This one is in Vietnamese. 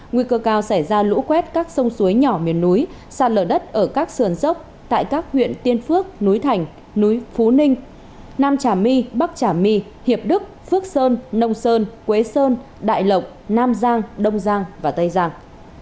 nguy cơ cao xảy ra lũ quét các sông suối nhỏ miền núi sạt lở đất ở các sườn dốc tại các huyện tiên phước núi thành núi phú ninh nam trà my bắc trà my hiệp đức phước sơn nông sơn quế sơn đại lộc nam giang đông giang và tây giang